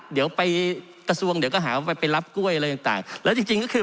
เดี๋ยวไปกระทรวงเดี๋ยวก็หาว่าไปไปรับกล้วยอะไรต่างต่างแล้วจริงจริงก็คือ